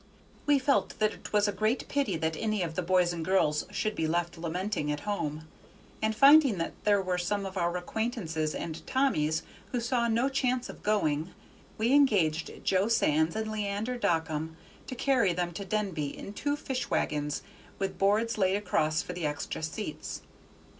We felt that it was a great pity that any of the boys and girls should be left lamenting at home, and finding that there were some of our acquaintances and Tommy's who saw no chance of going, we engaged Jo Sands and Leander Dockum to carry them to Denby in two fish wagons, with boards laid across for the extra seats.